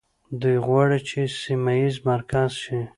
دوی غواړي چې سیمه ییز مرکز شي.